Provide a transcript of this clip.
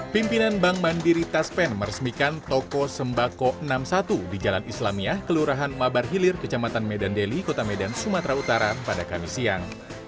pimpinan bank mandiri taspen meresmikan toko sembako enam puluh satu di jalan islamiah kelurahan mabar hilir kecamatan medan deli kota medan sumatera utara pada kamis siang